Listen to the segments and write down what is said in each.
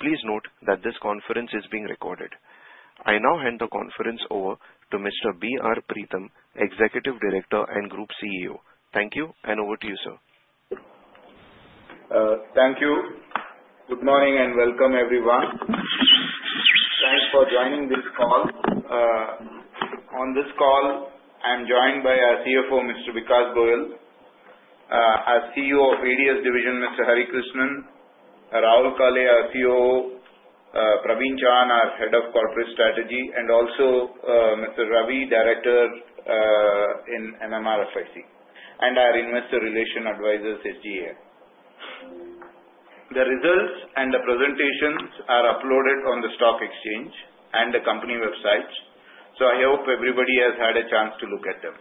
Please note that this conference is being recorded. I now hand the conference over to Mr. B. R. Preetham, Executive Director and Group CEO. Thank you, and over to you, sir. Thank you. Good morning and welcome, everyone. Thanks for joining this call. On this call, I'm joined by our CFO, Mr. Vikas Goel, our CEO of ADS division, Mr. Hari Krishnan, Rahul Kale, our COO, Praveen Chauhan, our Head of Corporate Strategy, and also Mr. Ravi, Director in MMRFIC, and our Investor Relations Advisor, SGA. The results and the presentations are uploaded on the stock exchange and the company websites, so I hope everybody has had a chance to look at them.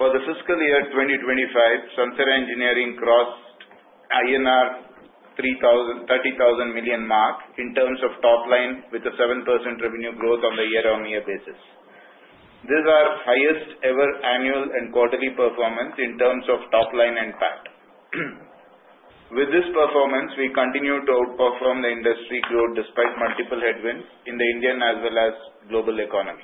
For the fiscal year 2025, Sansera Engineering crossed INR 30,000 million mark in terms of top line with a 7% revenue growth on the year-on-year basis. These are highest ever annual and quarterly performance in terms of top line and PAT. With this performance, we continue to outperform the industry growth despite multiple headwinds in the Indian as well as global economy.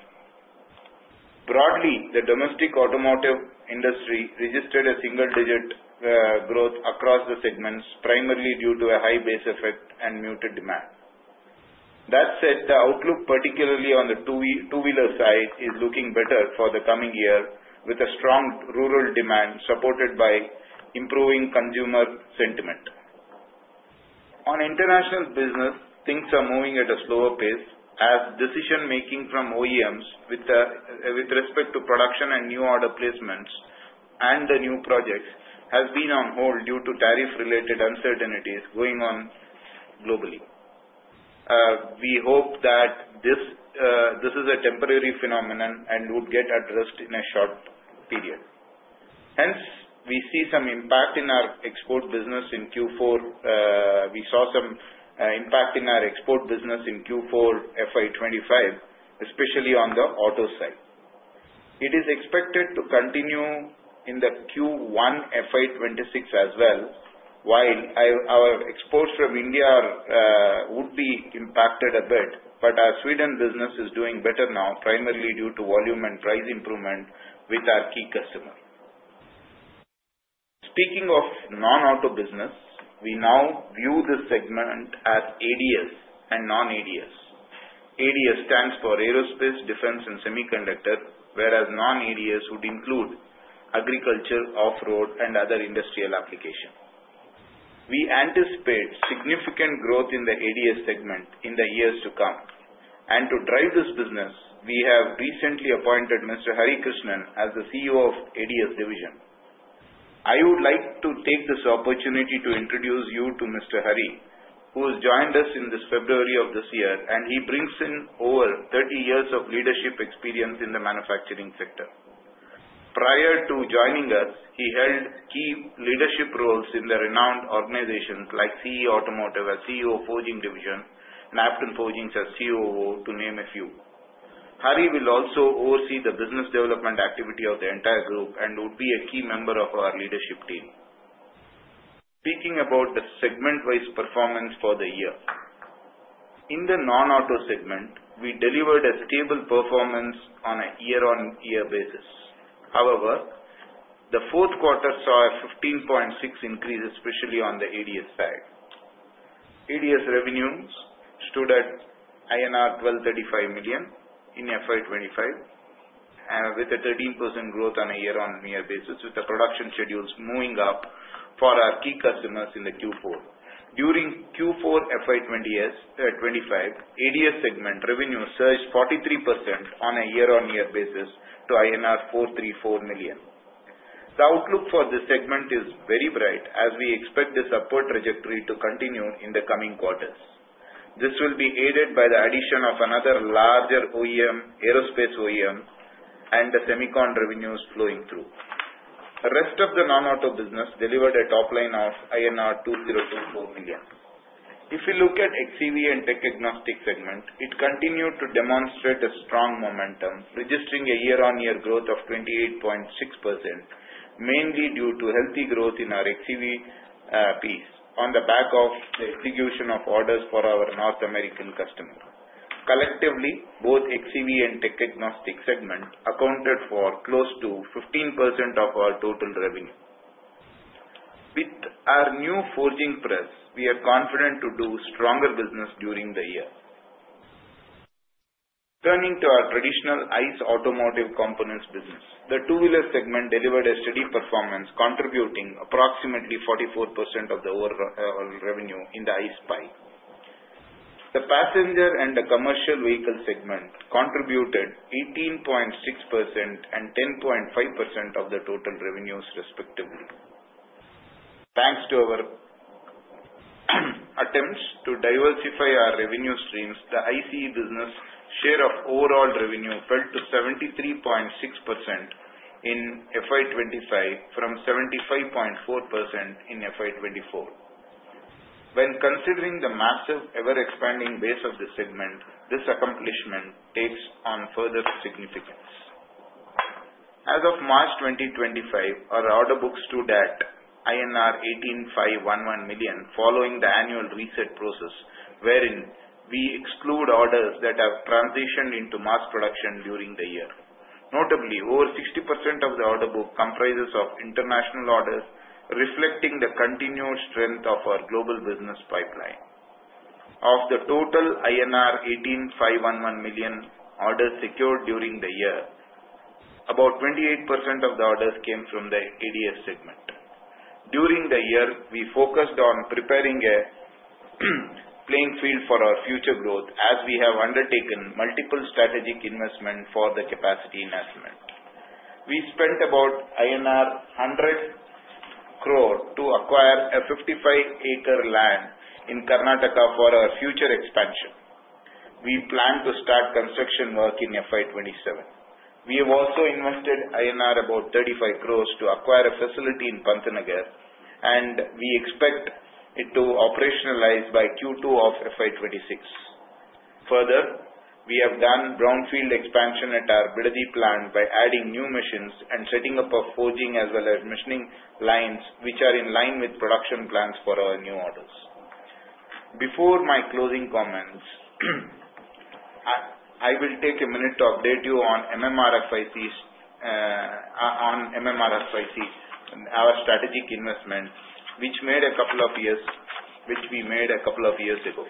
Broadly, the domestic automotive industry registered a single-digit growth across the segments, primarily due to a high base effect and muted demand. That said, the outlook, particularly on the two-wheeler side, is looking better for the coming year with a strong rural demand supported by improving consumer sentiment. On international business, things are moving at a slower pace as decision-making from OEMs with respect to production and new order placements and the new projects has been on hold due to tariff-related uncertainties going on globally. We hope that this is a temporary phenomenon and would get addressed in a short period. Hence, we see some impact in our export business in Q4. We saw some impact in our export business in Q4 FY 2025, especially on the auto side. It is expected to continue in the Q1 FY 2026 as well, while our exports from India would be impacted a bit, but our Sweden business is doing better now, primarily due to volume and price improvement with our key customer. Speaking of non-auto business, we now view this segment as ADS and non-ADS. ADS stands for Aerospace, Defense, and Semiconductor, whereas non-ADS would include Agriculture, Off-Road, and other industrial application. We anticipate significant growth in the ADS segment in the years to come. And to drive this business, we have recently appointed Mr. Hari Krishnan as the CEO of ADS division. I would like to take this opportunity to introduce you to Mr. Hari, who has joined us in February of this year, and he brings in over 30 years of leadership experience in the manufacturing sector. Prior to joining us, he held key leadership roles in the renowned organizations like CIE Automotive as CEO of Forging division, Nipman Forging as COO, to name a few. Hari will also oversee the business development activity of the entire group and would be a key member of our leadership team. Speaking about the segment-wise performance for the year, in the non-auto segment, we delivered a stable performance on a year-on-year basis. However, the fourth quarter saw a 15.6% increase, especially on the ADS side. ADS revenues stood at INR 1,235 million in FY 2025, with a 13% growth on a year-on-year basis, with the production schedules moving up for our key customers in the Q4. During Q4 FY 2025, ADS segment revenue surged 43% on a year-on-year basis to INR 434 million. The outlook for this segment is very bright, as we expect this upward trajectory to continue in the coming quarters. This will be aided by the addition of another larger aerospace OEM and the Semicon revenues flowing through. The rest of the non-auto business delivered a top line of INR 2024 million. If you look at the xEV and Tech Agnostic segment, it continued to demonstrate a strong momentum, registering a year-on-year growth of 28.6%, mainly due to healthy growth in our xEV piece on the back of the execution of orders for our North American customers. Collectively, both xEV and Tech Agnostic segment accounted for close to 15% of our total revenue. With our new Forging press, we are confident to do stronger business during the year. Turning to our traditional ICE automotive components business, the two-wheeler segment delivered a steady performance, contributing approximately 44% of the overall revenue in the ICE pie. The passenger and the commercial vehicle segment contributed 18.6% and 10.5% of the total revenues, respectively. Thanks to our attempts to diversify our revenue streams, the ICE business share of overall revenue fell to 73.6% in FY 2025 from 75.4% in FY 2024. When considering the massive ever-expanding base of the segment, this accomplishment takes on further significance. As of March 2025, our order books stood at INR 18,511 million following the annual reset process, wherein we exclude orders that have transitioned into mass production during the year. Notably, over 60% of the order book comprises of international orders, reflecting the continued strength of our global business pipeline. Of the total INR 185.11 million orders secured during the year, about 28% of the orders came from the ADS segment. During the year, we focused on preparing a playing field for our future growth, as we have undertaken multiple strategic investments for the capacity enhancement. We spent about INR 100 crore to acquire a 55-acre land in Karnataka for our future expansion. We plan to start construction work in FY27. We have also invested INR about 35 crore INR to acquire a facility in Pantnagar, and we expect it to operationalize by Q2 of FY 2026. Further, we have done brownfield expansion at our Bidadi plant by adding new machines and setting up a forging as well as machining lines, which are in line with production plans for our new orders. Before my closing comments, I will take a minute to update you on MMRFIC, our strategic investment, which we made a couple of years ago.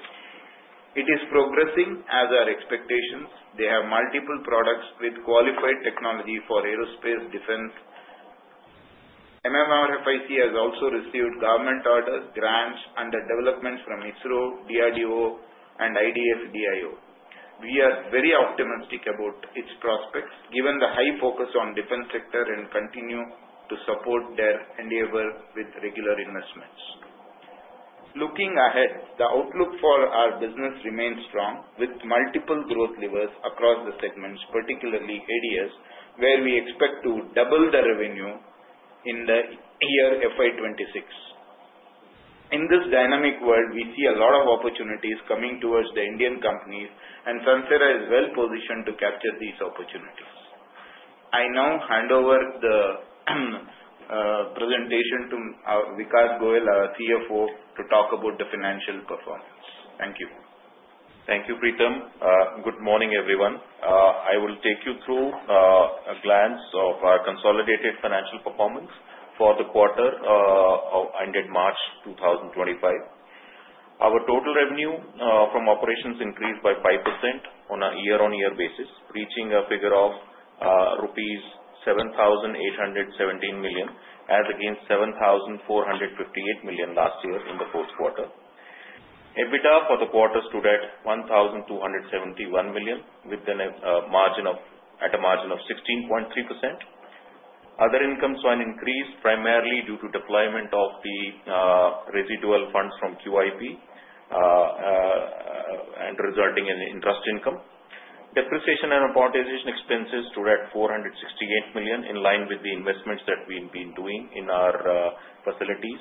It is progressing as our expectations. They have multiple products with qualified technology for aerospace, defense. MMRFIC has also received government orders, grants, and developments from ISRO, DRDO, and DIO. We are very optimistic about its prospects, given the high focus on the defense sector and continue to support their endeavor with regular investments. Looking ahead, the outlook for our business remains strong, with multiple growth levers across the segments, particularly ADS, where we expect to double the revenue in the year FY 2026. In this dynamic world, we see a lot of opportunities coming towards the Indian companies, and Sansera is well positioned to capture these opportunities. I now hand over the presentation to Vikas Goel, our CFO, to talk about the financial performance. Thank you. Thank you, Preetham. Good morning, everyone. I will take you through a glance of our consolidated financial performance for the quarter ended March 2025. Our total revenue from operations increased by 5% on a year-on-year basis, reaching a figure of rupees 7,817 million, as against 7,458 million last year in the fourth quarter. EBITDA for the quarter stood at 1,271 million, with a margin of 16.3%. Other incomes saw an increase, primarily due to deployment of the residual funds from QIP and resulting in interest income. Depreciation and amortization expenses stood at 468 million, in line with the investments that we've been doing in our facilities.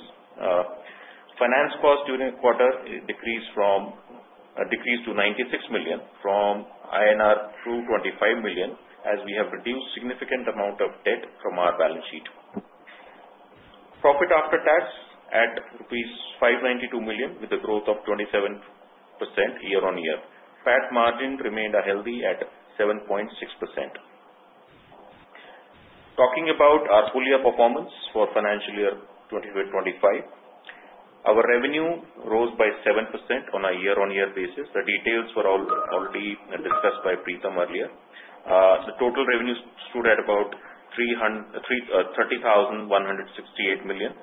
Finance costs during the quarter decreased to 96 million INR, from 225 million INR, as we have reduced a significant amount of debt from our balance sheet. Profit after tax at rupees 592 million, with a growth of 27% year-on-year. PAT margin remained healthy at 7.6%. Talking about our full-year performance for financial year 2025, our revenue rose by 7% on a year-on-year basis. The details were already discussed by Preetham earlier. The total revenue stood at about 30,168 million.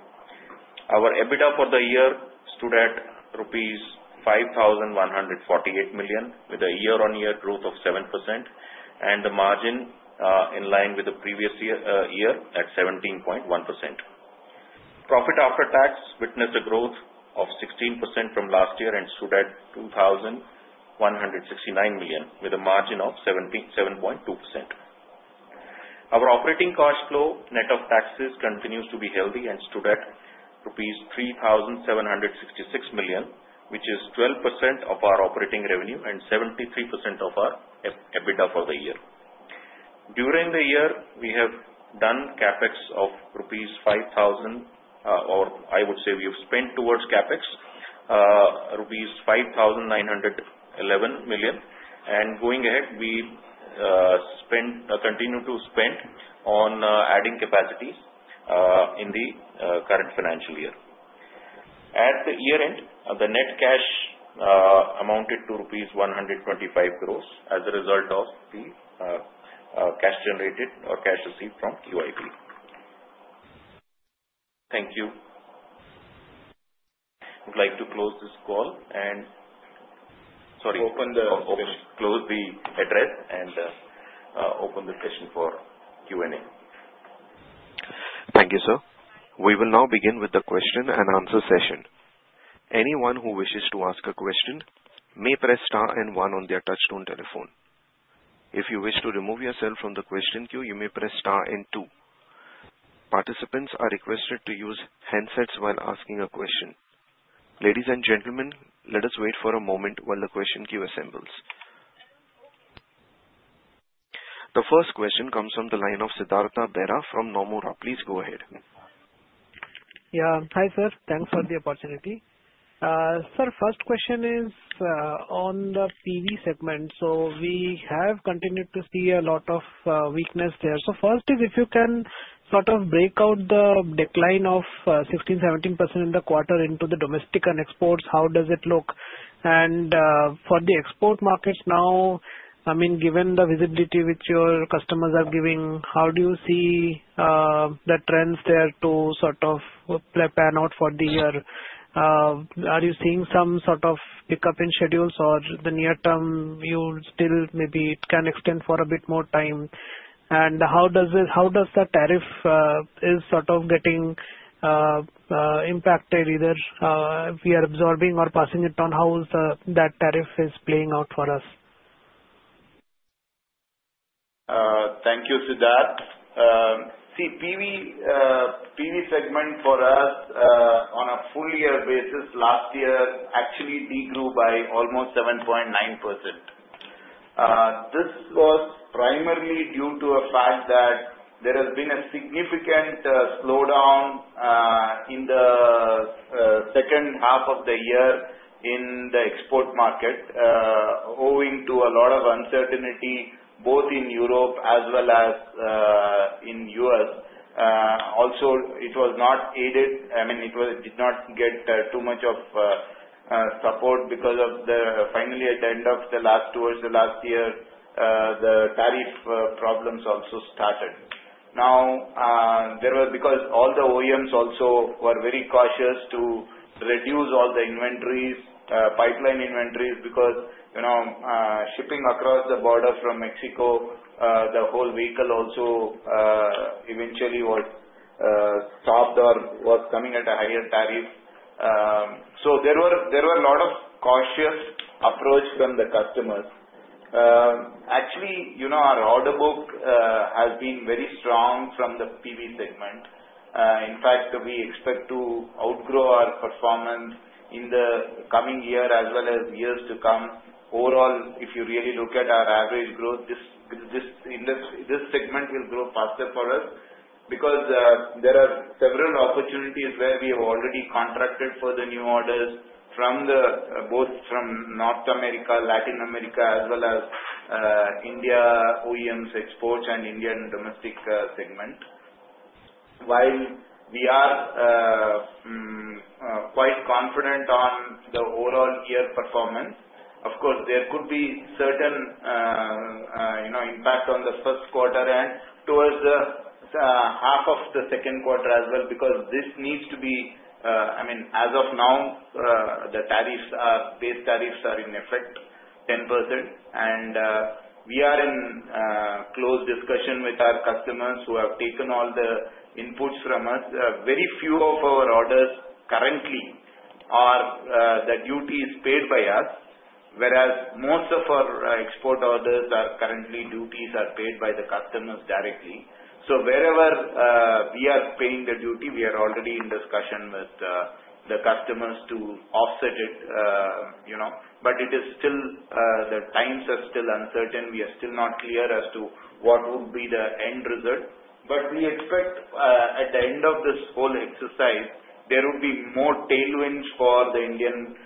Our EBITDA for the year stood at rupees 5,148 million, with a year-on-year growth of 7%, and the margin in line with the previous year at 17.1%. Profit after tax witnessed a growth of 16% from last year and stood at 2,169 million, with a margin of 7.2%. Our operating cash flow net of taxes continues to be healthy and stood at rupees 3,766 million, which is 12% of our operating revenue and 73% of our EBITDA for the year. During the year, we have done CapEx of rupees 5,000, or I would say we have spent towards CapEx, rupees 5,911 million. Going ahead, we continue to spend on adding capacities in the current financial year. At the year-end, the net cash amounted to rupees 125 crore as a result of the cash generated or cash received from QIP. Thank you. I would like to close this call and open the session. Close the address and open the session for Q&A. Thank you, sir. We will now begin with the question and answer session. Anyone who wishes to ask a question may press star and one on their touch-tone telephone. If you wish to remove yourself from the question queue, you may press star and two. Participants are requested to use handsets while asking a question. Ladies and gentlemen, let us wait for a moment while the question queue assembles. The first question comes from the line of Siddhartha Bera from Nomura. Please go ahead. Yeah, hi, sir. Thanks for the opportunity. Sir, first question is on the PV segment. So we have continued to see a lot of weakness there. So first is, if you can sort of break out the decline of 16% to 17% in the quarter into the domestic and exports, how does it look? And for the export markets now, I mean, given the visibility which your customers are giving, how do you see the trends there to sort of plan out for the year? Are you seeing some sort of pickup in schedules or the near term you still maybe can extend for a bit more time? And how does the tariff sort of getting impacted? Either we are absorbing or passing it on? How is that tariff playing out for us? Thank you, Siddhartha. See, PV segment for us on a full-year basis last year actually degrew by almost 7.9%. This was primarily due to a fact that there has been a significant slowdown in the second half of the year in the export market, owing to a lot of uncertainty both in Europe as well as in the U.S. Also, it was not aided; I mean, it did not get too much of support because of the finally, at the end of the last two years, the last year, the tariff problems also started. Now, because all the OEMs also were very cautious to reduce all the inventories, pipeline inventories, because shipping across the border from Mexico, the whole vehicle also eventually was stopped or was coming at a higher tariff. So there were a lot of cautious approach from the customers. Actually, our order book has been very strong from the PV segment. In fact, we expect to outgrow our performance in the coming year as well as years to come. Overall, if you really look at our average growth, this segment will grow faster for us because there are several opportunities where we have already contracted for the new orders both from North America, Latin America, as well as India OEMs, exports, and Indian domestic segment. While we are quite confident on the overall year performance, of course, there could be certain impact on the first quarter and towards the half of the second quarter as well because this needs to be, I mean, as of now, the base tariffs are in effect, 10%, and we are in close discussion with our customers who have taken all the inputs from us. Very few of our orders currently are the duties paid by us, whereas most of our export orders are currently duties are paid by the customers directly. So wherever we are paying the duty, we are already in discussion with the customers to offset it. But it is still, the times are still uncertain. We are still not clear as to what would be the end result. But we expect at the end of this whole exercise, there will be more tailwinds for the Indian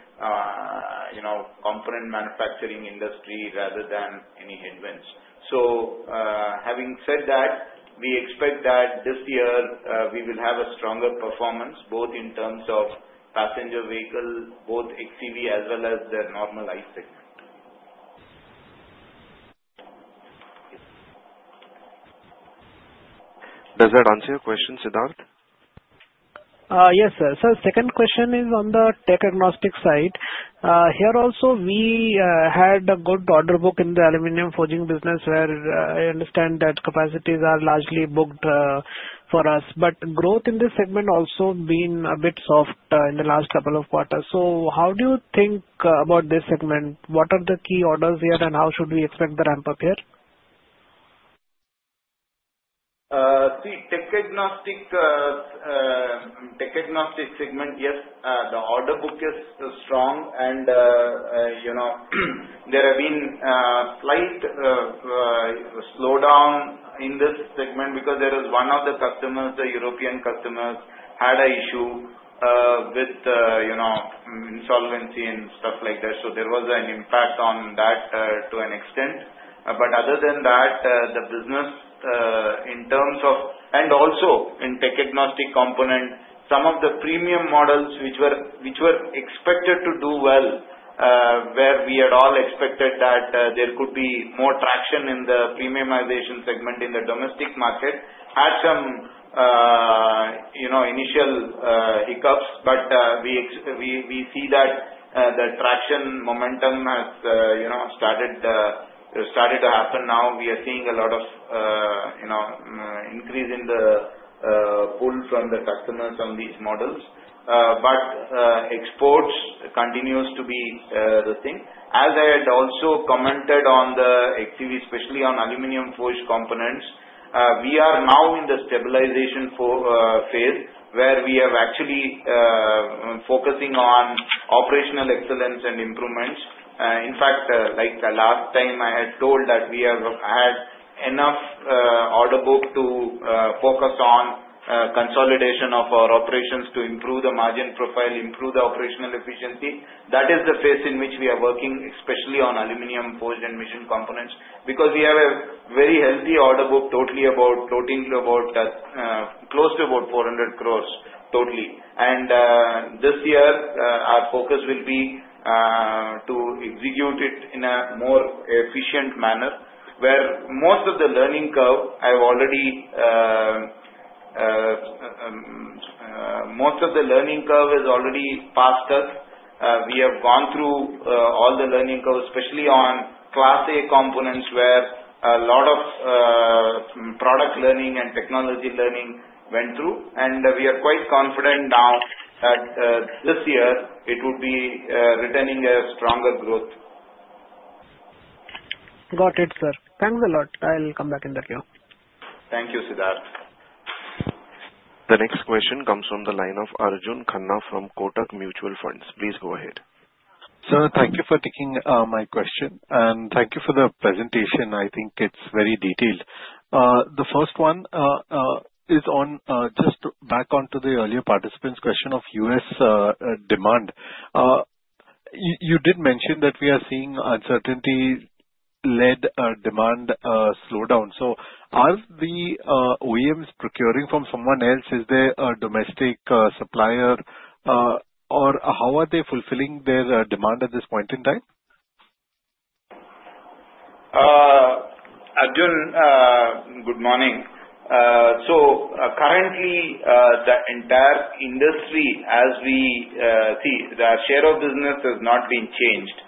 component manufacturing industry rather than any headwinds. So having said that, we expect that this year we will have a stronger performance both in terms of passenger vehicle, both XEV as well as the normal ICE segment. Does that answer your question, Siddhartha? Yes, sir. Sir, second question is on the tech agnostic side. Here also, we had a good order book in the aluminum forging business, where I understand that capacities are largely booked for us. But growth in this segment also been a bit soft in the last couple of quarters. So how do you think about this segment? What are the key orders here, and how should we expect the ramp-up here? See, tech agnostic segment, yes, the order book is strong, and there have been slight slowdown in this segment because there is one of the customers, the European customers, had an issue with insolvency and stuff like that. So there was an impact on that to an extent. But other than that, the business in terms of—and also in tech agnostic component, some of the premium models which were expected to do well, where we had all expected that there could be more traction in the premiumization segment in the domestic market, had some initial hiccups. But we see that the traction momentum has started to happen now. We are seeing a lot of increase in the pull from the customers on these models. But exports continue to be the thing. As I had also commented on the XEV, especially on aluminum forged components, we are now in the stabilization phase where we are actually focusing on operational excellence and improvements. In fact, like last time, I had told that we have had enough order book to focus on consolidation of our operations to improve the margin profile, improve the operational efficiency. That is the phase in which we are working, especially on aluminum forged and machined components because we have a very healthy order book totally about close to about 400 crore totally. And this year, our focus will be to execute it in a more efficient manner, where most of the learning curve I have already, most of the learning curve is already past us. We have gone through all the learning curve, especially on class A components, where a lot of product learning and technology learning went through. We are quite confident now that this year it would be returning a stronger growth. Got it, sir. Thanks a lot. I'll come back in the queue. Thank you, Siddhartha. The next question comes from the line of Arjun Khanna from Kotak Mutual Funds. Please go ahead. Sir, thank you for taking my question, and thank you for the presentation. I think it's very detailed. The first one is just back onto the earlier participant's question of U.S. demand. You did mention that we are seeing uncertainty-led demand slowdown. So are the OEMs procuring from someone else? Is there a domestic supplier, or how are they fulfilling their demand at this point in time? Arjun, good morning. So currently, the entire industry, as we see, the share of business has not been changed.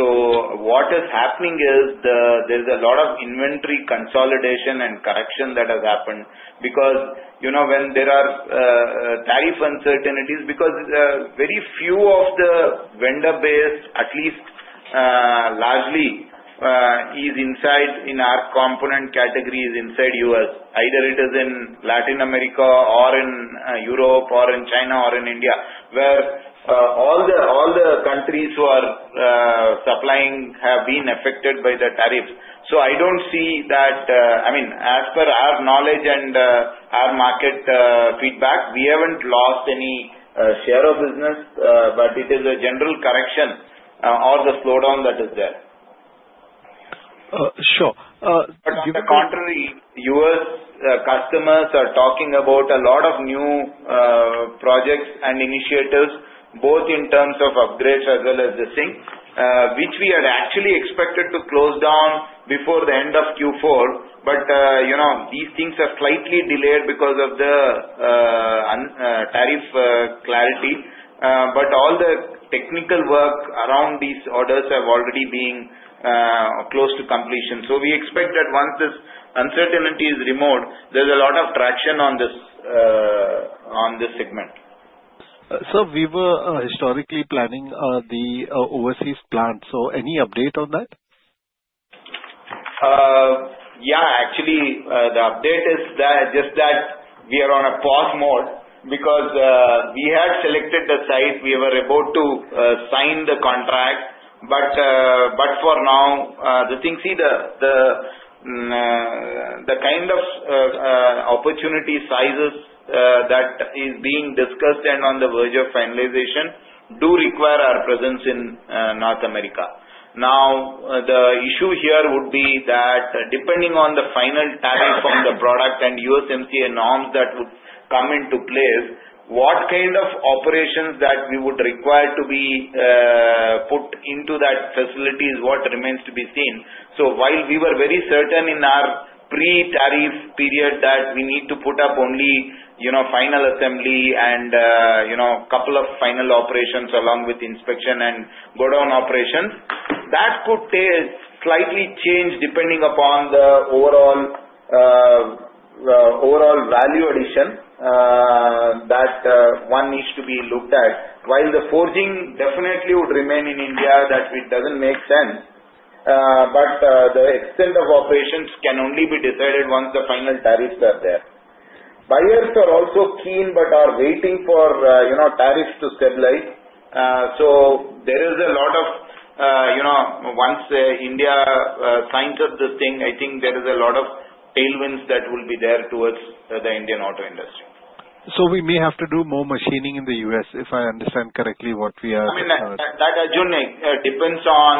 So what is happening is there's a lot of inventory consolidation and correction that has happened because when there are tariff uncertainties, because very few of the vendor base, at least largely, is inside in our component categories inside the U.S. Either it is in Latin America or in Europe or in China or in India, where all the countries who are supplying have been affected by the tariffs. So I don't see that, I mean, as per our knowledge and our market feedback, we haven't lost any share of business, but it is a general correction or the slowdown that is there. Sure. On the contrary, U.S. customers are talking about a lot of new projects and initiatives, both in terms of upgrades as well as the things, which we had actually expected to close down before the end of Q4. But these things are slightly delayed because of the tariff clarity. But all the technical work around these orders have already been close to completion. So we expect that once this uncertainty is removed, there's a lot of traction on this segment. Sir, we were historically planning the overseas plant. So any update on that? Yeah, actually, the update is just that we are on a pause mode because we had selected the site. We were about to sign the contract. But for now, the thing, see, the kind of opportunity sizes that are being discussed and on the verge of finalization do require our presence in North America. Now, the issue here would be that depending on the final tariff on the product and USMCA norms that would come into place, what kind of operations that we would require to be put into that facility is what remains to be seen. So while we were very certain in our pre-tariff period that we need to put up only final assembly and a couple of final operations along with inspection and go down operations, that could slightly change depending upon the overall value addition that one needs to be looked at. While the forging definitely would remain in India, that it doesn't make sense. But the extent of operations can only be decided once the final tariffs are there. Buyers are also keen but are waiting for tariffs to stabilize. So once India signs up the thing, I think there is a lot of tailwinds that will be there towards the Indian auto industry. So we may have to do more machining in the U.S., if I understand correctly what we are... I mean, that, Arjun, depends on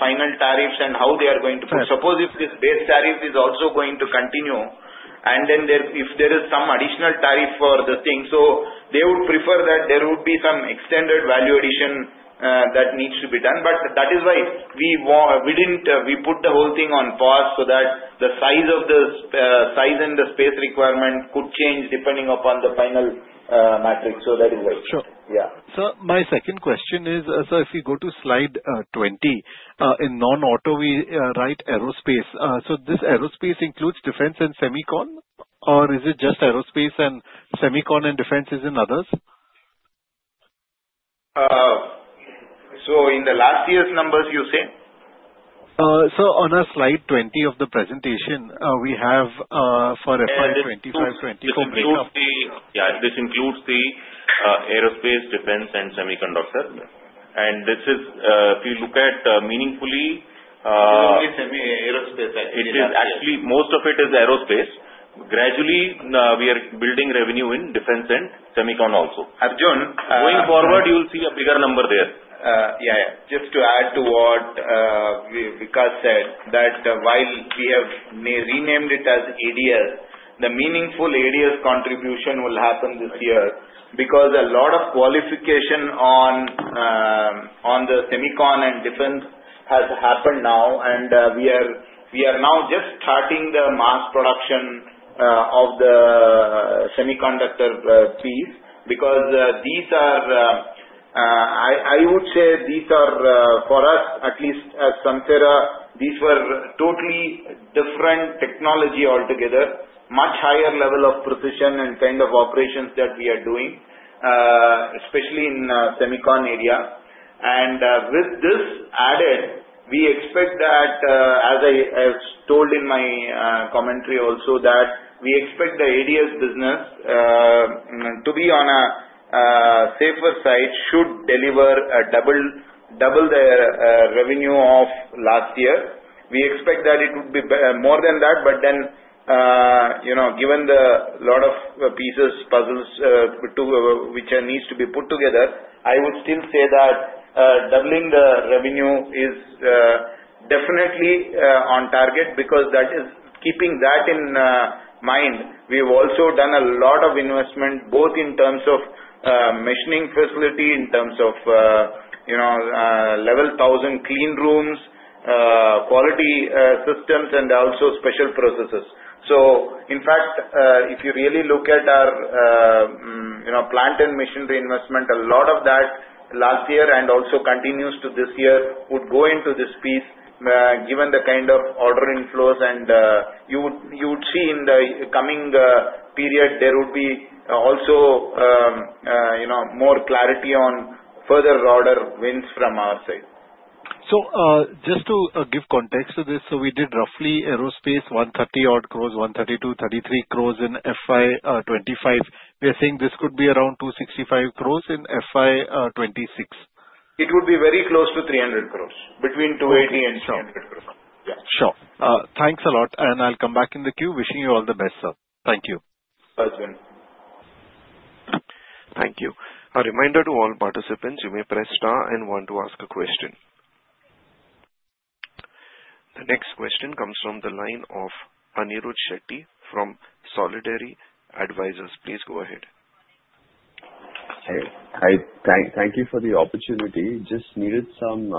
final tariffs and how they are going to. Suppose if this base tariff is also going to continue, and then if there is some additional tariff for the thing, so they would prefer that there would be some extended value addition that needs to be done. But that is why we put the whole thing on pause so that the size and the space requirement could change depending upon the final matrix. So that is why. Sure. Sir, my second question is, sir, if we go to slide 20 in non-auto, we write aerospace. So this aerospace includes defense and semicon, or is it just aerospace and semicon and defense is in others? So in the last year's numbers, you say? Sir, on slide 20 of the presentation, we have slide 25, 24, 25. Yeah, this includes the aerospace, defense, and semiconductor. And if you look at meaningfully. It's only semi-aerospace, actually. It is actually most of it is aerospace. Gradually, we are building revenue in defense and semicon also. Arjun, going forward, you'll see a bigger number there. Yeah, yeah. Just to add to what Vikas said, that while we have renamed it as ADS, the meaningful ADS contribution will happen this year because a lot of qualification on the semicon and defense has happened now. And we are now just starting the mass production of the semiconductor piece because these are, I would say, these are for us, at least as Sansera, these were totally different technology altogether, much higher level of precision and kind of operations that we are doing, especially in semicon area. With this added, we expect that, as I told in my commentary also, that we expect the ADS business to be on a safer side should deliver double the revenue of last year. We expect that it would be more than that. But then, given the lot of pieces, puzzles which need to be put together, I would still say that doubling the revenue is definitely on target because that is keeping that in mind. We have also done a lot of investment both in terms of machining facility, in terms of level 1000 clean rooms, quality systems, and also special processes. So in fact, if you really look at our plant and machinery investment, a lot of that last year and also continues to this year would go into this piece given the kind of order inflows. You would see in the coming period, there would be also more clarity on further order wins from our side. So just to give context to this, we did roughly aerospace 130 odd gross, 132, 133 gross in FY 25. We are saying this could be around 265 gross in FY 26. It would be very close to 300 gross, between 280 and 300 gross. Yeah. Sure. Thanks a lot. And I'll come back in the queue. Wishing you all the best, sir. Thank you. Arjun. Thank you. A reminder to all participants, you may press star one to ask a question. The next question comes from the line of Anirudh Shetty from Solidarity Advisors. Please go ahead. Hi. Thank you for the opportunity. Just needed some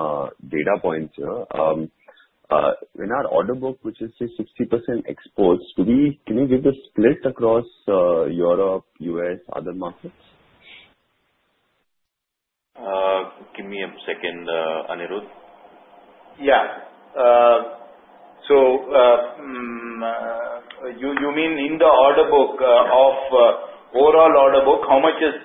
data points here. In our order book, which is 60% exports, can you give the split across Europe, U.S., other markets? Give me a second, Anirudh. Yeah. So you mean in the order book of overall order book, how much is,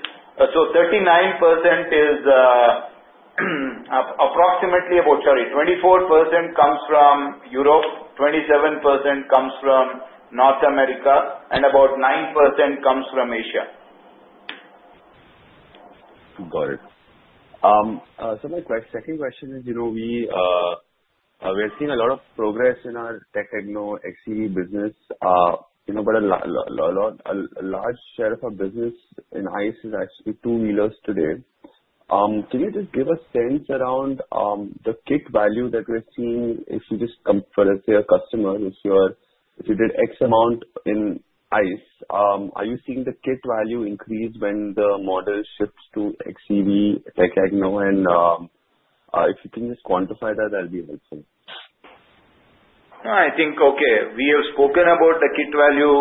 sorry, 24% comes from Europe, 27% comes from North America, and about 9% comes from Asia. Got it. So my second question is we are seeing a lot of progress in our tech-agnostic xEV business, but a large share of our business in ICE is actually two wheelers today. Can you just give a sense around the kit value that we're seeing? If you just come for, let's say, a customer, if you did X amount in ICE, are you seeing the kit value increase when the model shifts to xEV, tech-agnostic? And if you can just quantify that, that'll be helpful. I think, okay, we have spoken about the kit value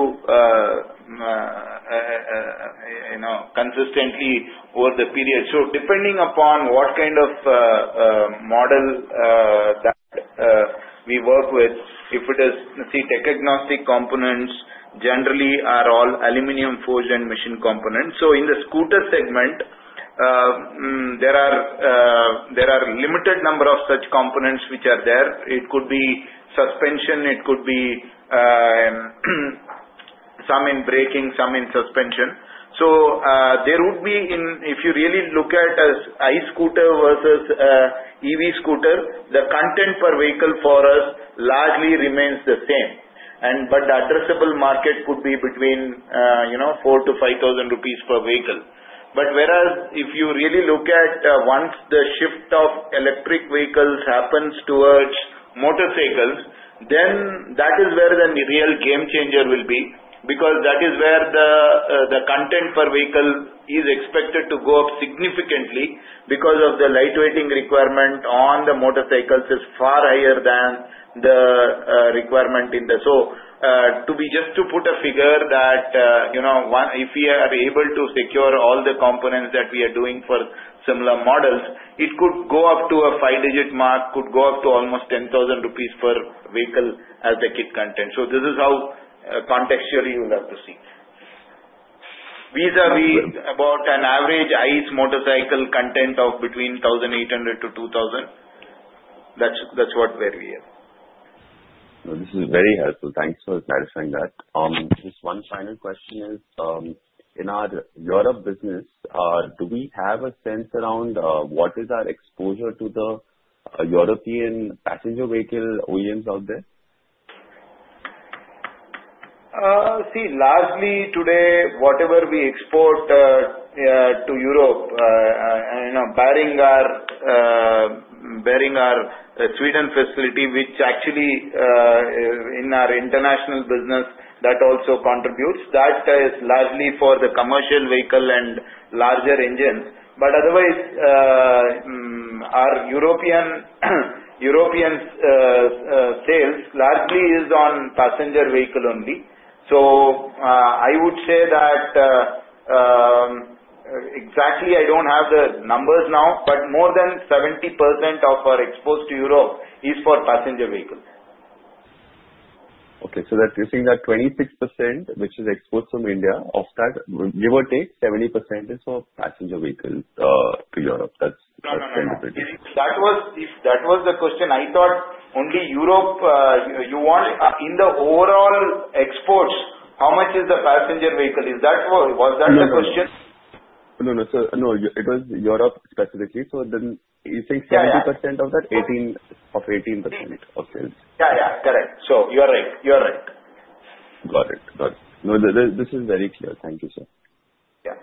consistently over the period. So depending upon what kind of model that we work with, if it is, see, tech agnostic components generally are all aluminum forged and machined components. So in the scooter segment, there are limited number of such components which are there. It could be suspension. It could be some in braking, some in suspension. So there would be, if you really look at an ICE scooter versus an EV scooter, the content per vehicle for us largely remains the same. But the addressable market could be between 4,000 to 5,000 rupees per vehicle. But whereas if you really look at once the shift of electric vehicles happens towards motorcycles, then that is where the real game changer will be because that is where the content per vehicle is expected to go up significantly because of the lightweighting requirement on the motorcycles is far higher than the requirement in the, so just to put a figure that if we are able to secure all the components that we are doing for similar models, it could go up to a five-digit mark, could go up to almost 10,000 rupees per vehicle as the kit content. So this is how contextually you would have to see. These are about an average ICE motorcycle content of between 1,800 to 2,000. That's where we are. This is very helpful. Thanks for clarifying that. Just one final question is, in our Europe business, do we have a sense around what is our exposure to the European passenger vehicle OEMs out there? See, largely today, whatever we export to Europe, barring our Sweden facility, which actually in our international business, that also contributes. That is largely for the commercial vehicle and larger engines. But otherwise, our European sales largely is on passenger vehicle only. So I would say that exactly I don't have the numbers now, but more than 70% of our exports to Europe is for passenger vehicles. Okay, so you're saying that 26%, which is exports from India, of that, give or take, 70% is for passenger vehicles to Europe. That's the standard. That was the question. I thought only Europe you want in the overall exports, how much is the passenger vehicle? Was that the question? No, no, sir. No, it was Europe specifically. So then you think 70% of that, 18% of sales. Yeah, yeah. Correct. So you are right. You are right. Got it. Got it. No, this is very clear. Thank you, sir. Yeah.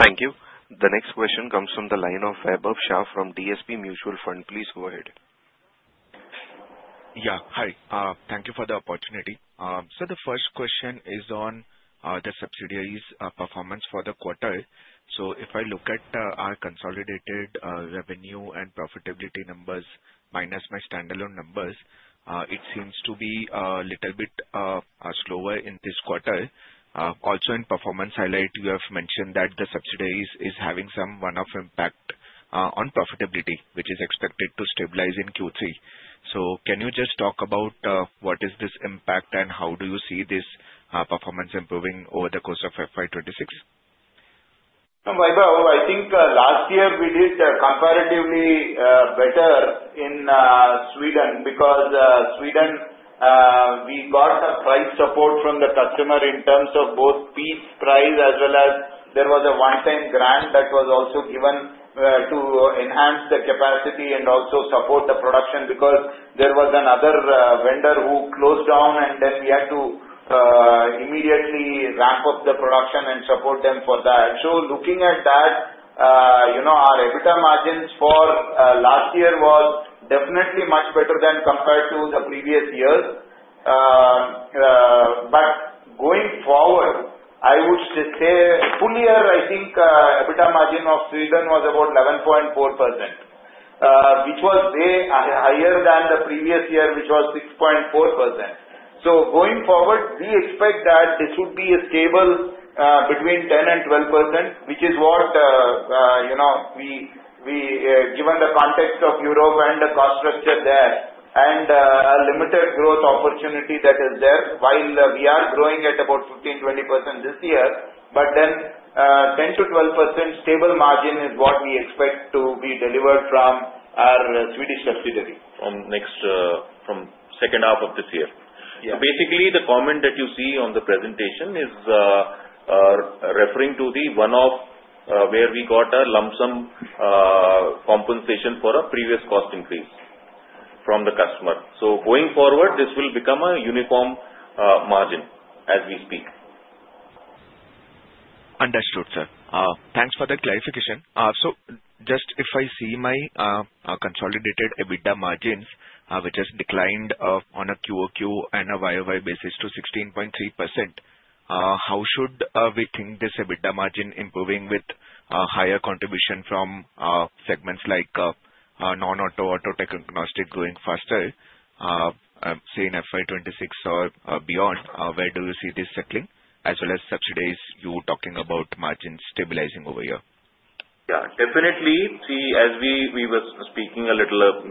Thank you. The next question comes from the line of Vaibhav Shah from DSP Mutual Fund. Please go ahead. Yeah. Hi. Thank you for the opportunity. So the first question is on the subsidiaries' performance for the quarter. So if I look at our consolidated revenue and profitability numbers minus my standalone numbers, it seems to be a little bit slower in this quarter. Also in performance highlight, you have mentioned that the subsidiaries are having some one-off impact on profitability, which is expected to stabilize in Q3. So can you just talk about what is this impact and how do you see this performance improving over the course of FY 26? Vaibhav, I think last year we did comparatively better in Sweden because Sweden, we got the price support from the customer in terms of both piece price as well as there was a one-time grant that was also given to enhance the capacity and also support the production because there was another vendor who closed down, and then we had to immediately ramp up the production and support them for that. So looking at that, our EBITDA margins for last year were definitely much better than compared to the previous year. But going forward, I would say fully here, I think EBITDA margin of Sweden was about 11.4%, which was way higher than the previous year, which was 6.4%. So going forward, we expect that this would be stable between 10% and 12%, which is what we, given the context of Europe and the cost structure there, and a limited growth opportunity that is there, while we are growing at about 15% to 20% this year. But then 10% to 12% stable margin is what we expect to be delivered from our Swedish subsidiary. From second half of this year. So basically, the comment that you see on the presentation is referring to the one-off where we got a lump sum compensation for a previous cost increase from the customer. So going forward, this will become a uniform margin as we speak. Understood, sir. Thanks for the clarification. So just if I see my consolidated EBITDA margins, which has declined on a QoQ and a YoY basis to 16.3%, how should we think this EBITDA margin improving with higher contribution from segments like non-auto, auto tech agnostic going faster, say in FY 26 or beyond? Where do you see this settling as well as subsidiaries you were talking about margins stabilizing over here? Yeah. Definitely. See, as we were speaking a little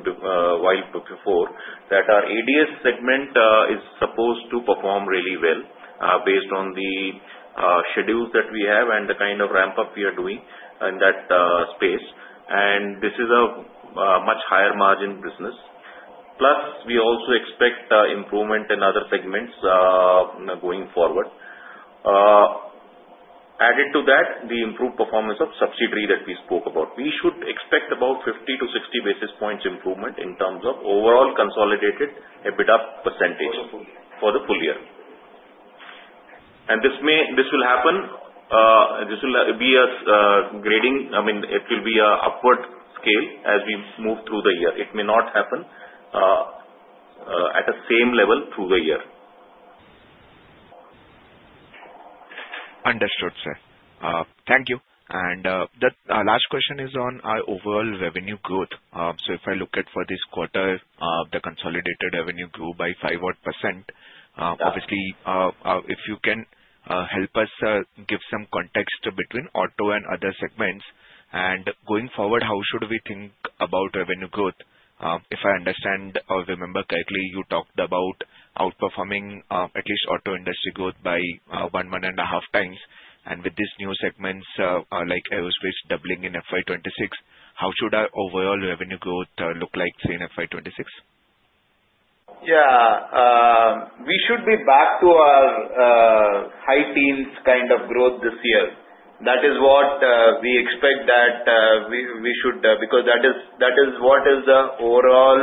while before, that our ADS segment is supposed to perform really well based on the schedules that we have and the kind of ramp-up we are doing in that space. And this is a much higher margin business. Plus, we also expect improvement in other segments going forward. Added to that, the improved performance of subsidiary that we spoke about. We should expect about 50-60 basis points improvement in terms of overall consolidated EBITDA percentage for the full year. And this will happen. This will be gradual. I mean, it will be an upward scale as we move through the year. It may not happen at the same level through the year. Understood, sir. Thank you. And the last question is on our overall revenue growth. So if I look at for this quarter, the consolidated revenue grew by 5% odd. Obviously, if you can help us give some context between auto and other segments. And going forward, how should we think about revenue growth? If I understand or remember correctly, you talked about outperforming at least auto industry growth by one and a half times. And with these new segments like aerospace doubling in FY 26, how should our overall revenue growth look like, say, in FY 26? Yeah. We should be back to our high teens kind of growth this year. That is what we expect that we should because that is what is the overall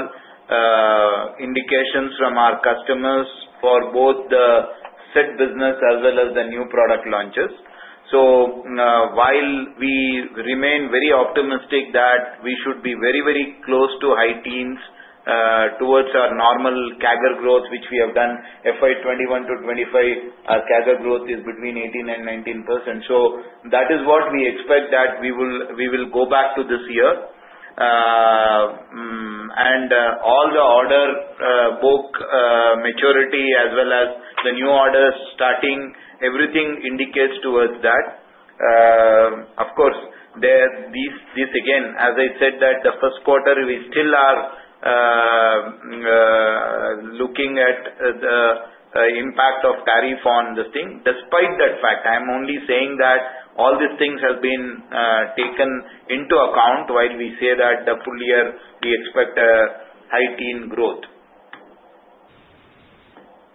indications from our customers for both the SID business as well as the new product launches. So while we remain very optimistic that we should be very, very close to high teens towards our normal CAGR growth, which we have done FY 21 to 25, our CAGR growth is between 18% and 19%. So that is what we expect that we will go back to this year. And all the order book maturity as well as the new orders starting, everything indicates towards that. Of course, this again, as I said, that the first quarter, we still are looking at the impact of tariff on the thing. Despite that fact, I am only saying that all these things have been taken into account while we say that the full year, we expect a high teen growth.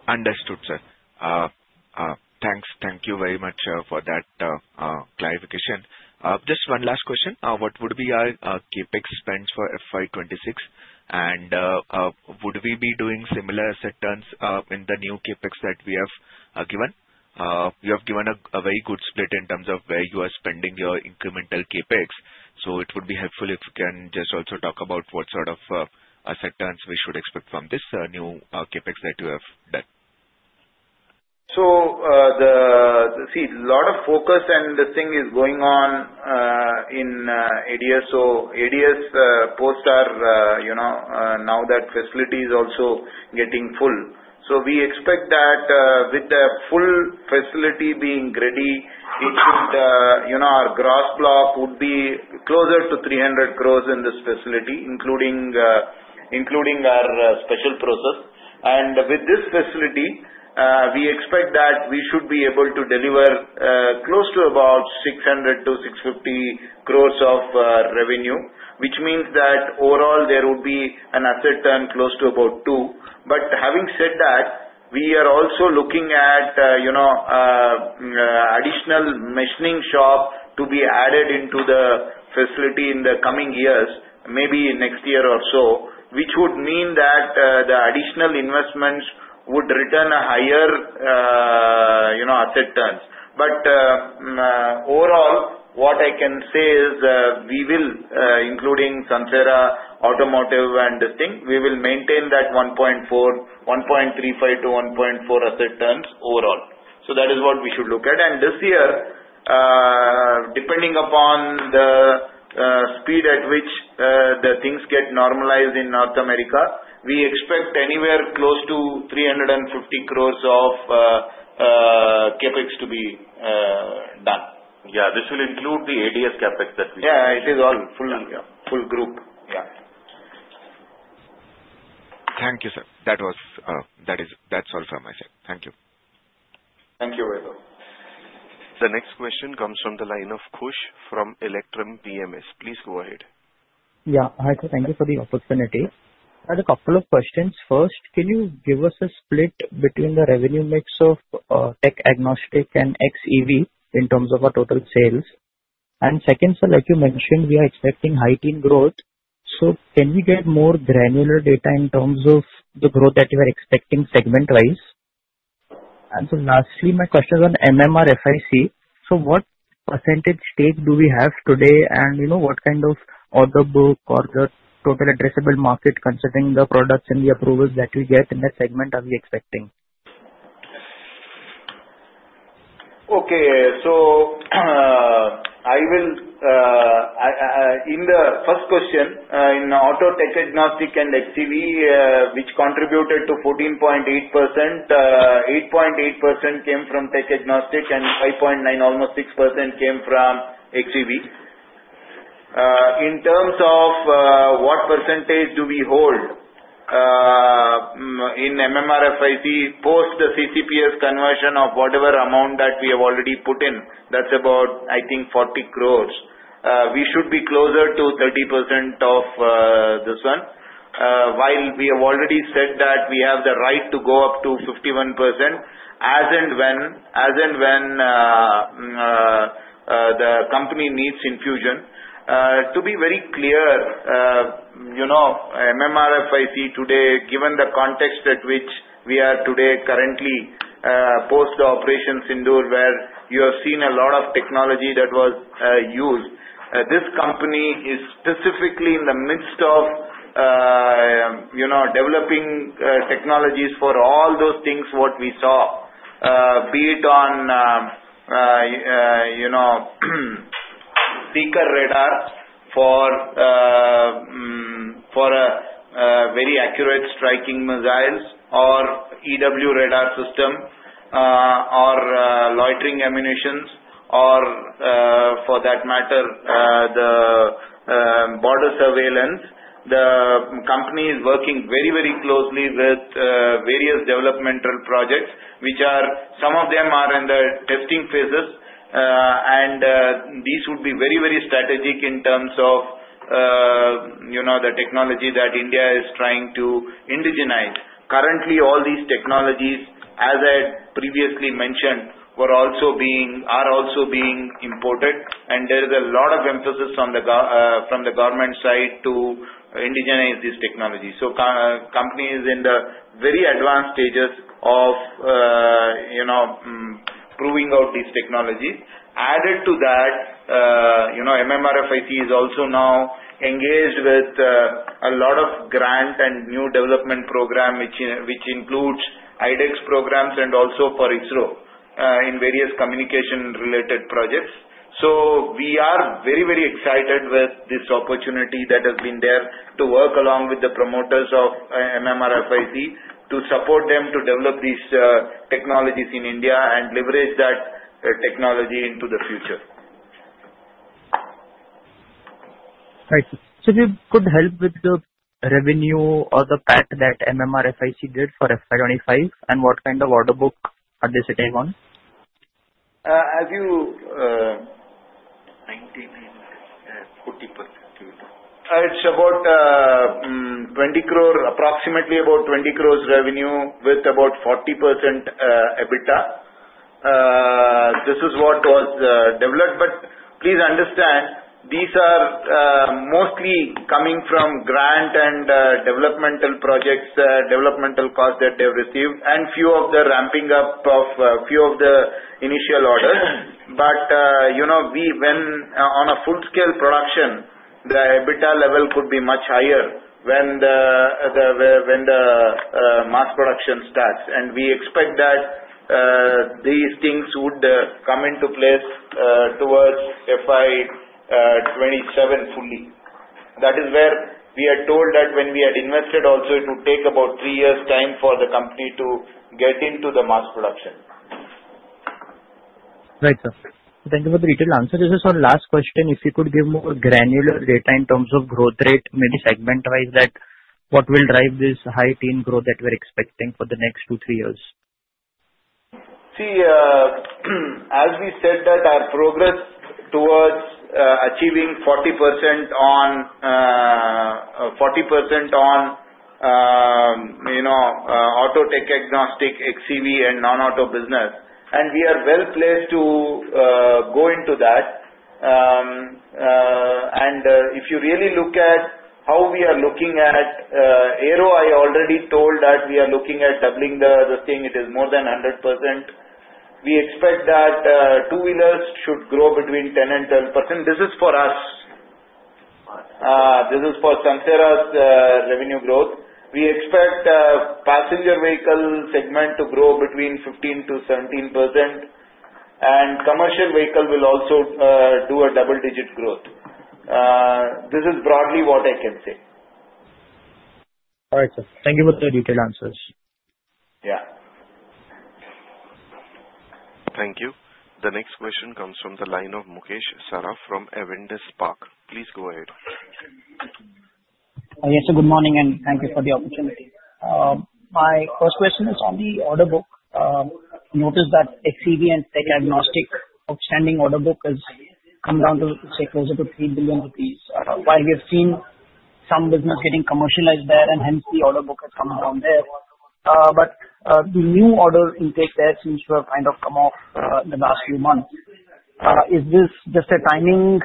Understood, sir. Thanks. Thank you very much for that clarification. Just one last question. What would be our CapEx spend for FY 26? And would we be doing similar asset turns in the new CapEx that we have given? You have given a very good split in terms of where you are spending your incremental CapEx. So it would be helpful if you can just also talk about what sort of asset turns we should expect from this new CapEx that you have done. So, see, a lot of focus and things are going on in ADS. The ADS plant's now that facility is also getting full. We expect that with the full facility being ready, our gross block would be closer to 300 crore in this facility, including our special process. With this facility, we expect that we should be able to deliver close to about 600 to 650 crore of revenue, which means that overall there would be an asset turn close to about two, but having said that, we are also looking at additional machining shop to be added into the facility in the coming years, maybe next year or so, which would mean that the additional investments would return a higher asset turns. But overall, what I can say is we will, including Sansera Automotive and this thing, we will maintain that 1.35 to 1.4 asset turns overall. So that is what we should look at. And this year, depending upon the speed at which the things get normalized in North America, we expect anywhere close to 350 crore of CAPEX to be done. Yeah. This will include the ADS CAPEX that we have. Yeah. It is all full group. Yeah. Thank you, sir. That's all from my side. Thank you. Thank you very much. The next question comes from the line of Khush from Electrum PMS. Please go ahead. Yeah. Hi, sir. Thank you for the opportunity. I have a couple of questions. First, can you give us a split between the revenue mix of tech agnostic and XEV in terms of our total sales? And second, sir, like you mentioned, we are expecting high teen growth. So can we get more granular data in terms of the growth that you are expecting segment-wise? And so lastly, my question is on MMRFIC. So what percentage stake do we have today? And what kind of order book or the total addressable market considering the products and the approvals that we get in that segment are we expecting? Okay. So, in the first question, in auto tech agnostic and XEV, which contributed to 14.8%, 8.8% came from tech agnostic, and 5.9, almost 6% came from XEV. In terms of what percentage do we hold in MMRFIC post the CCPS conversion of whatever amount that we have already put in, that's about, I think, 40 crore. We should be closer to 30% of this one. While we have already said that we have the right to go up to 51% as and when the company needs infusion. To be very clear, MMRFIC today, given the context at which we are today currently post the operations indoor, where you have seen a lot of technology that was used, this company is specifically in the midst of developing technologies for all those things what we saw, be it on seeker radar for very accurate striking missiles or EW radar system or loitering munitions or for that matter, the border surveillance. The company is working very, very closely with various developmental projects, which are some of them are in the testing phases, and these would be very, very strategic in terms of the technology that India is trying to indigenize. Currently, all these technologies, as I previously mentioned, are also being imported, and there is a lot of emphasis from the government side to indigenize these technologies. The company is in the very advanced stages of proving out these technologies. Added to that, MMRFIC is also now engaged with a lot of grant and new development program, which includes iDEX programs and also for ISRO in various communication-related projects. We are very, very excited with this opportunity that has been there to work along with the promoters of MMRFIC to support them to develop these technologies in India and leverage that technology into the future. Right. So if you could help with the revenue or the PAT that MMRFIC did for FY 25 and what kind of order book are they sitting on? It's about 20 crore, approximately about 20 crore revenue with about 40% EBITDA. This is what was developed. But please understand, these are mostly coming from grant and developmental projects, developmental costs that they have received, and few of the ramping up of few of the initial orders. But when on a full-scale production, the EBITDA level could be much higher when the mass production starts. And we expect that these things would come into place towards FY 27 fully. That is where we are told that when we had invested, also it would take about three years' time for the company to get into the mass production. Right, sir. Thank you for the detailed answer. Just for last question, if you could give more granular data in terms of growth rate, maybe segment-wise, that what will drive this high teen growth that we are expecting for the next two, three years? See, as we said, our progress towards achieving 40% on auto tech agnostic, xEV, and non-auto business, and we are well placed to go into that, and if you really look at how we are looking at Aero, I already told that we are looking at doubling the thing. It is more than 100%. We expect that two-wheelers should grow between 10% and 12%. This is for us. This is for Sansera's revenue growth. We expect passenger vehicle segment to grow between 15% to 17%, and commercial vehicle will also do a double-digit growth. This is broadly what I can say. All right, sir. Thank you for the detailed answers. Yeah. Thank you. The next question comes from the line of Mukesh Saraf from Avendus Spark. Please go ahead. Yes, sir. Good morning, and thank you for the opportunity. My first question is on the order book. Notice that XEV and tech agnostic outstanding order book has come down to, say, closer to 3 billion rupees, while we have seen some business getting commercialized there, and hence the order book has come down there. But the new order intake there seems to have kind of come off in the last few months. Is this just a timing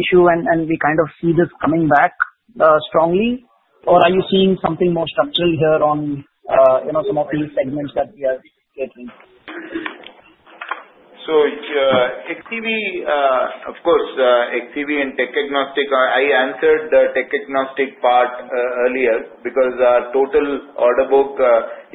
issue, and we kind of see this coming back strongly, or are you seeing something more structural here on some of these segments that we are getting? So xEV, of course, xEV and tech agnostic, I answered the tech agnostic part earlier because our total order book,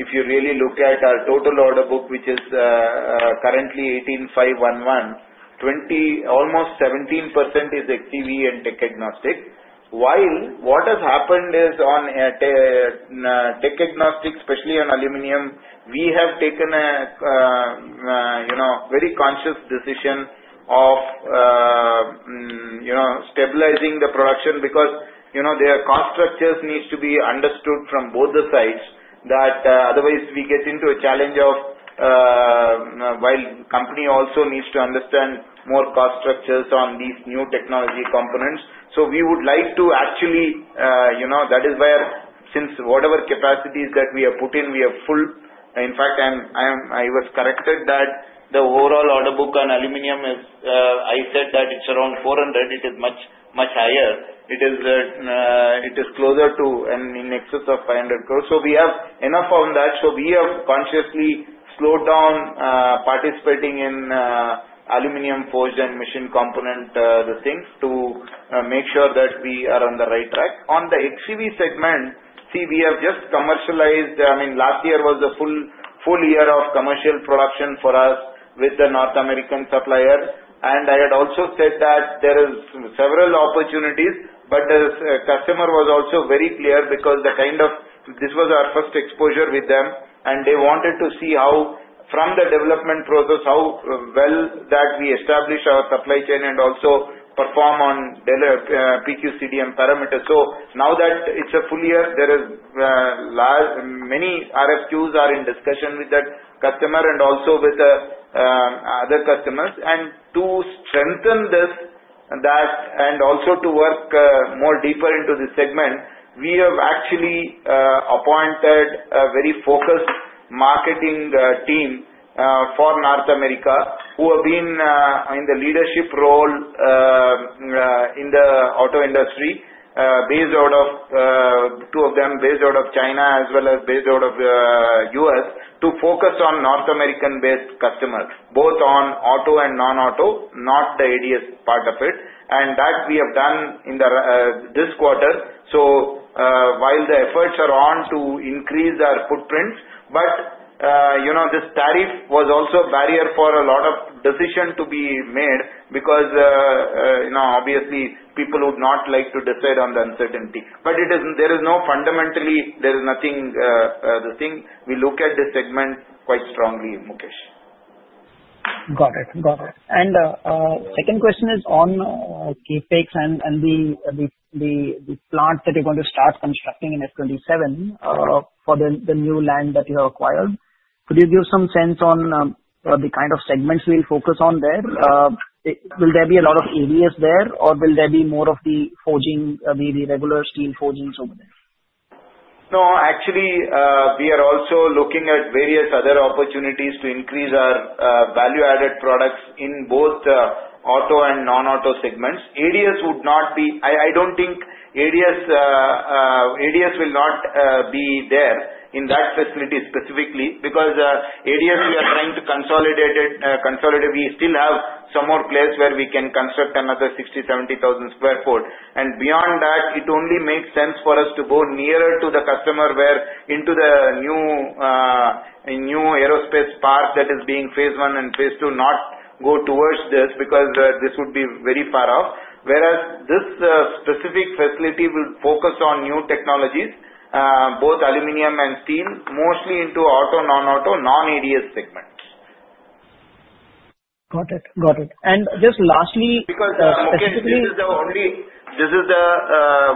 if you really look at our total order book, which is currently 18, 511, almost 17% is xEV and tech agnostic. While what has happened is on tech agnostic, especially on aluminum, we have taken a very conscious decision of stabilizing the production because their cost structures need to be understood from both the sides. Otherwise, we get into a challenge of while the company also needs to understand more cost structures on these new technology components. So we would like to actually that is where, since whatever capacities that we have put in, we have full. In fact, I was corrected that the overall order book on aluminum is I said that it's around 400. It is much, much higher. It is closer to and in excess of 500 crore. We have enough on that. We have consciously slowed down participating in aluminum forged and machined component things to make sure that we are on the right track. On the xEV segment, see, we have just commercialized. I mean, last year was a full year of commercial production for us with the North American supplier. And I had also said that there are several opportunities, but the customer was also very clear because the kind of this was our first exposure with them, and they wanted to see how from the development process, how well that we establish our supply chain and also perform on PQCDM parameters. Now that it's a full year, many RFQs are in discussion with that customer and also with other customers. To strengthen this and also to work more deeper into the segment, we have actually appointed a very focused marketing team for North America who have been in the leadership role in the auto industry, based out of two of them, based out of China as well as based out of the U.S., to focus on North American-based customers, both on auto and non-auto, not the ADS part of it. That we have done in this quarter. While the efforts are on to increase our footprint, this tariff was also a barrier for a lot of decisions to be made because obviously, people would not like to decide on the uncertainty. But fundamentally, there is nothing to this thing. We look at this segment quite strongly, Mukesh. Got it. Got it. And second question is on CapEx and the plants that you're going to start constructing in FY27 for the new land that you have acquired. Could you give some sense on the kind of segments we'll focus on there? Will there be a lot of ADS there, or will there be more of the forging, the regular steel forgings over there? No, actually, we are also looking at various other opportunities to increase our value-added products in both auto and non-auto segments. I don't think ADS will not be there in that facility specifically because ADS, we are trying to consolidate. We still have some more places where we can construct another 60,000-70,000 sq ft. And beyond that, it only makes sense for us to go nearer to the customer where into the new aerospace park that is being phase one and phase two, not go towards this because this would be very far off. Whereas this specific facility will focus on new technologies, both aluminum and steel, mostly into auto, non-auto, non-ADS segment. Got it. Got it. And just lastly. Because specifically, this is the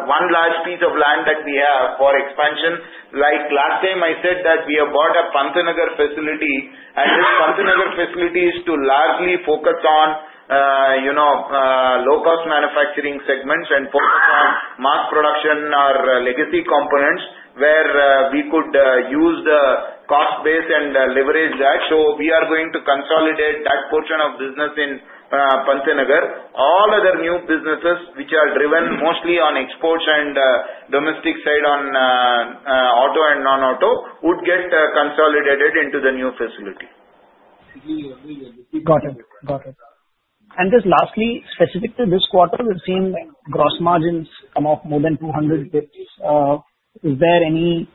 one large piece of land that we have for expansion. Like last time, I said that we have bought a Pantnagar facility, and this Pantnagar facility is to largely focus on low-cost manufacturing segments and focus on mass production or legacy components where we could use the cost base and leverage that. So we are going to consolidate that portion of business in Pantnagar. All other new businesses, which are driven mostly on exports and domestic side on auto and non-auto, would get consolidated into the new facility. Got it. Got it. And just lastly, specific to this quarter, we've seen gross margins come off more than 200 basis points. Is there any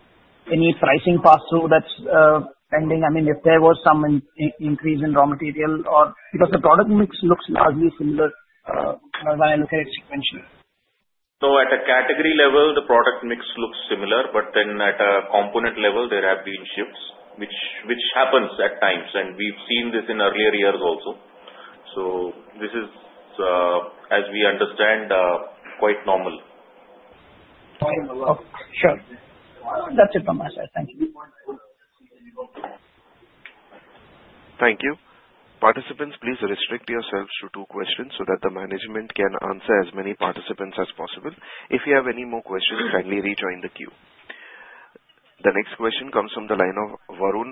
pricing pass-through that's pending? I mean, if there was some increase in raw material or because the product mix looks largely similar when I look at it sequentially. So at a category level, the product mix looks similar, but then at a component level, there have been shifts, which happens at times, and we've seen this in earlier years also. So this is, as we understand, quite normal. Sure. That's it from my side. Thank you. Thank you. Participants, please restrict yourselves to two questions so that the management can answer as many participants as possible. If you have any more questions, kindly rejoin the queue. The next question comes from the line of Varun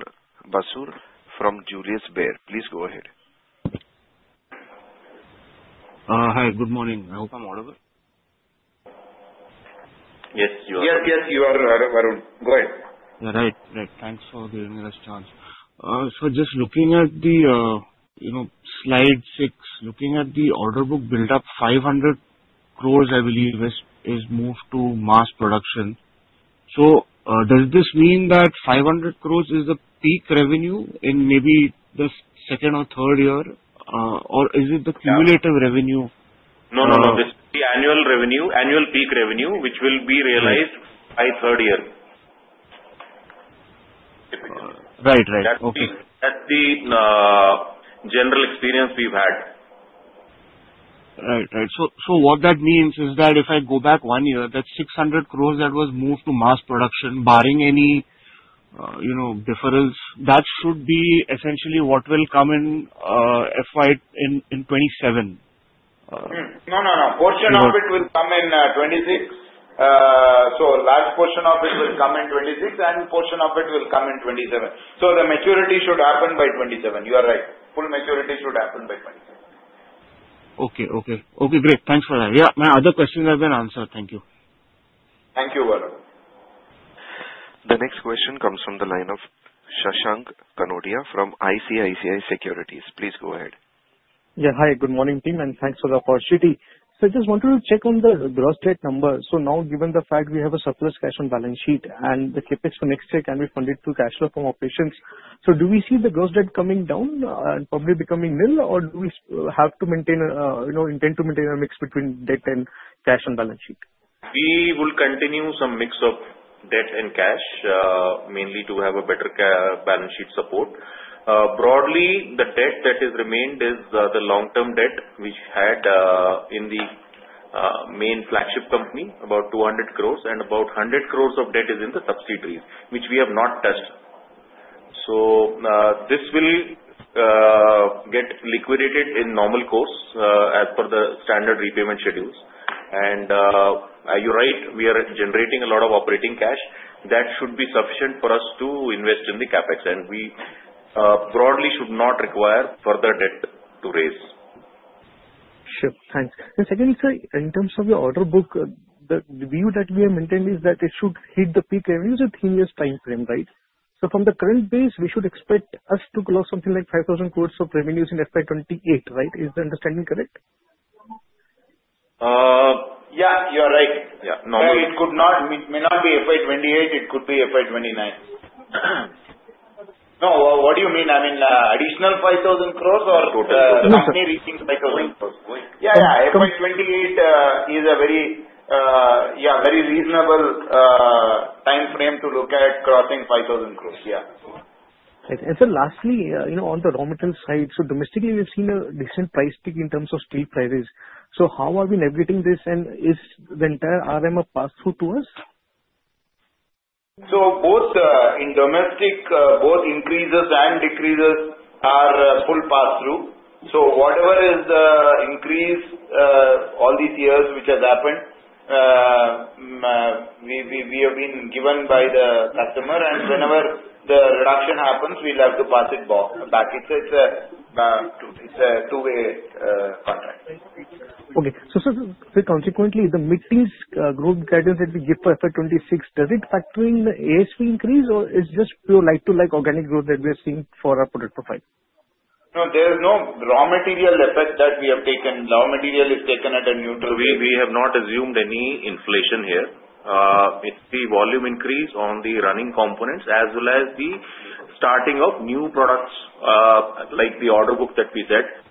Basrur from Julius Baer. Please go ahead. Hi. Good morning. I hope I'm audible. Yes, you are. Yes, yes, you are Varun. Go ahead. Yeah, right, right. Thanks for giving me this chance. So just looking at the slide six, looking at the order book build-up, 500 cror, I believe, is moved to mass production. So does this mean that 500 crore is the peak revenue in maybe the second or third year, or is it the cumulative revenue? No, no, no. This is the annual revenue, annual peak revenue, which will be realized by third year. Right, right. That's the general experience we've had. Right, right. So what that means is that if I go back one year, that 600 crore that was moved to mass production, barring any difference, that should be essentially what will come in FY in 2027. No, no, no. Portion of it will come in 2026. So large portion of it will come in 2026, and portion of it will come in 2027. So the maturity should happen by 2027. You are right. Full maturity should happen by 2027. Okay, okay. Okay, great. Thanks for that. Yeah, my other questions have been answered. Thank you. Thank you, Varun. The next question comes from the line of Shashank Kanodia from ICICI Securities. Please go ahead. Yeah, hi. Good morning, team, and thanks for the opportunity. So I just wanted to check on the gross debt number. So now, given the fact we have a surplus cash on balance sheet and the CapEx for next year, can we fund it through cash flow from operations? So do we see the gross debt coming down and probably becoming nil, or do we have to maintain, intend to maintain a mix between debt and cash on balance sheet? We will continue some mix of debt and cash, mainly to have a better balance sheet support. Broadly, the debt that has remained is the long-term debt, which had in the main flagship company about 200 crore, and about 100 crore of debt is in the subsidiaries, which we have not touched. So this will get liquidated in normal course as per the standard repayment schedules, and you're right, we are generating a lot of operating cash. That should be sufficient for us to invest in the CAPEX, and we broadly should not require further debt to raise. Sure. Thanks. And secondly, sir, in terms of your order book, the view that we have maintained is that it should hit the peak every three years' time frame, right? So from the current base, we should expect us to close something like 5,000 crore of revenues in FY 2028, right? Is the understanding correct? Yeah, you are right. Yeah, normally. It may not be FY 2028. It could be FY 2029. No, what do you mean? I mean, additional 5,000 crore or. Total. The company reaching 5,000 crore? Yeah, yeah. FY 2028 is a very, yeah, very reasonable time frame to look at crossing 5,000 crore. Yeah. Sir, lastly, on the raw material side, domestically, we've seen a decent price peak in terms of steel prices. How are we leveraging this, and is the entire RM pass-through to us? So both in domestic, both increases and decreases are full pass-through. So whatever is the increase all these years which has happened, we have been given by the customer, and whenever the reduction happens, we'll have to pass it back. It's a two-way contract. Okay. So sir, consequently, the mid-teens growth guidance that we give for FY 2026, does it factor in the ADS increase, or it's just pure like-for-like organic growth that we are seeing for our product profile? No, there is no raw material effect that we have taken. Raw material is taken at a neutral rate. We have not assumed any inflation here. It's the volume increase on the running components as well as the starting of new products like the order book that we said.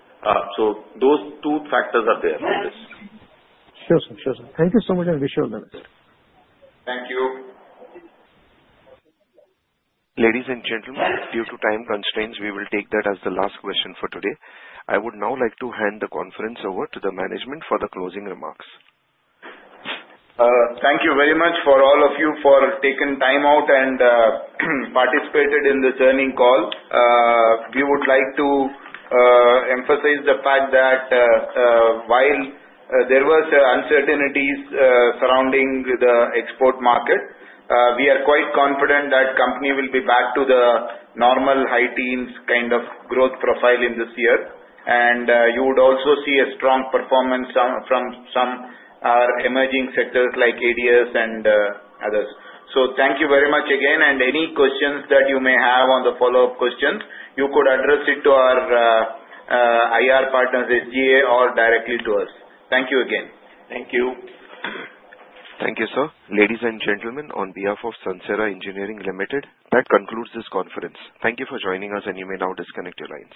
So those two factors are there. Sure, sir. Sure, sir. Thank you so much, and wish you all the best. Thank you. Ladies and gentlemen, due to time constraints, we will take that as the last question for today. I would now like to hand the conference over to the management for the closing remarks. Thank you very much for all of you for taking time out and participated in the earnings call. We would like to emphasize the fact that while there were uncertainties surrounding the export market, we are quite confident that the company will be back to the normal high-teens kind of growth profile in this year, and you would also see a strong performance from some emerging sectors like ADS and others, so thank you very much again, and any questions that you may have on the follow-up questions, you could address it to our IR partners, SGA, or directly to us. Thank you again. Thank you. Thank you, sir. Ladies and gentlemen, on behalf of Sansera Engineering Limited, that concludes this conference. Thank you for joining us, and you may now disconnect your lines.